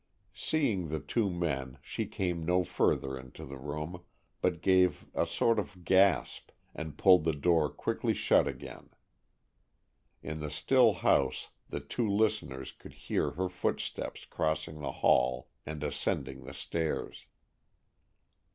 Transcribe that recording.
Seeing the two men, she came no further into the room, but gave a sort of gasp, and pulled the door quickly shut again. In the still house, the two listeners could hear her footsteps crossing the hall, and ascending the stairs.